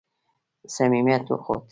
صمیمیت وښود.